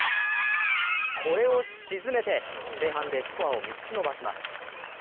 これを沈めて前半でスコアを３つ伸ばします。